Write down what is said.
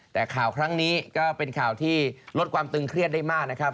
แต่ข่าวครั้งนี้ก็เป็นข่าวที่ลดความตึงเครียดได้มากนะครับ